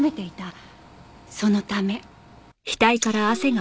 そのため。